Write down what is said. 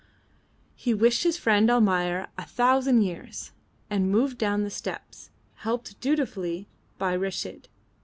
He wished his friend Almayer "a thousand years," and moved down the steps, helped dutifully by Reshid.